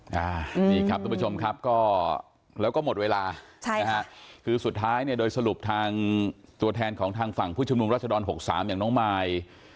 นี่ครับทุกผู้ชมครับก็แล้วก็หมดเวลาใช่นะฮะคือสุดท้ายเนี่ยโดยสรุปทางตัวแทนของทางฝั่งผู้ชุมนุมรัศดร๖๓อย่างน้องมาย